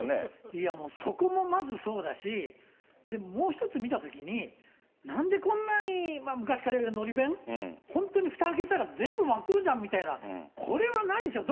いや、もう、そこもまずそうだし、もう一つ見たときに、なんでこんなに、昔から言うのり弁、本当にふた開けたら全部真っ黒じゃんみたいな、これはないでしょう。